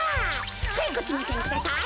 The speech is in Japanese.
はいこっちめせんください。